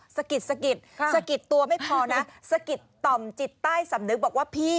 สะกิดสะกิดสะกิดตัวไม่พอนะสะกิดต่อมจิตใต้สำนึกบอกว่าพี่